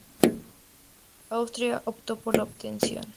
Australia optó por la abstención.